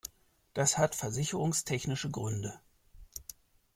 Das hat versicherungstechnische Gründe.